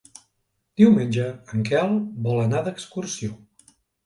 Diumenge en Quel vol anar d'excursió.